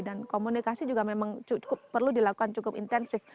dan komunikasi juga memang cukup perlu dilakukan cukup intensif